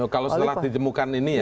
kalau setelah ditemukan ini ya